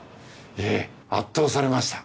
ええ圧倒されました！